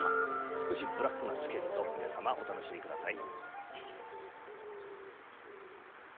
少しブラックなスケルツォ皆様お楽しみください。